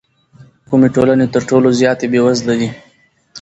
کومې ټولنې تر ټولو زیاتې بېوزله دي؟